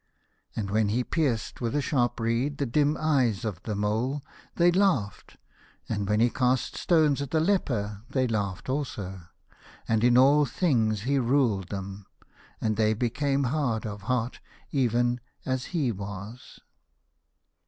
And when he pierced with a sharp reed the dim eyes of the mole, they laughed, and when he cast stones at the leper they laughed also. And in all things he ruled them, and they became hard of heart, even as he was.